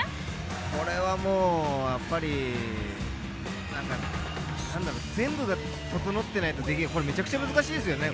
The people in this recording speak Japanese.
これはもうやっぱり全部が整っていないと、めちゃくちゃ難しいですよね。